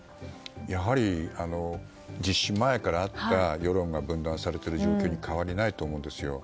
やはり実施前からあった世論が分断されている状況に変わりないと思うんですよ。